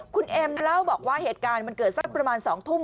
คุณเอ็มเล่าบอกว่าเหตุการณ์มันเกิดสักประมาณ๒ทุ่ม